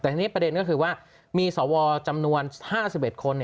แต่ทีนี้ประเด็นก็คือว่ามีสวจำนวน๕๑คน